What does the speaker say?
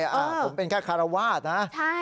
ผมเป็นแค่คารวาสนะ